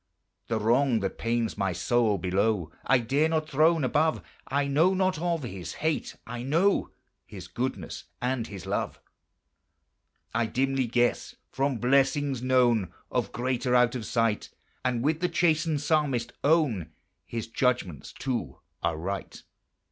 The wrong that pains my soul below I dare not throne above, I know not of His hate, I know His goodness and His love. I dimly guess from blessings known Of greater out of sight, And, with the chastened Psalmist, own His judgments too are right.